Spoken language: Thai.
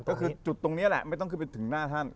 ก็คือจุดตรงนี้แหละไม่ต้องขึ้นไปถึงหน้าท่าน